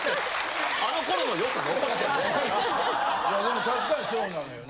いやでも確かにそうなんよな。